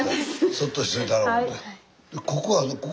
そっとしといたろう思て。